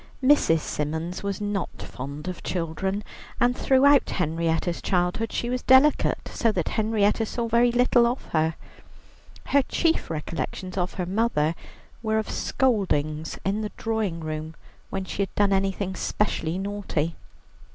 Mrs. Symons was not fond of children, and throughout Henrietta's childhood she was delicate, so that Henrietta saw very little of her. Her chief recollections of her mother were of scoldings in the drawing room when she had done anything specially naughty.